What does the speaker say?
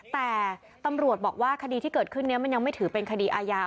แต่ตำรวจบอกว่าคดีที่เกิดขึ้นนี้มันยังไม่ถือเป็นคดีอาญา